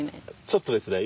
ちょっとですね